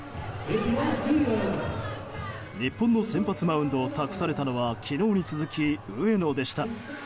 日本の先発マウンドを託されたのは昨日に続き上野でした。